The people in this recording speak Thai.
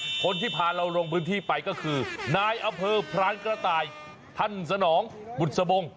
คนที่พาเราลงพื้นที่ไปก็คือนายอำเภอพรานกระต่ายท่านสนองบุษบง